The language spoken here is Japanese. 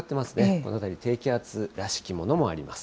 この辺り、低気圧らしきものもあります。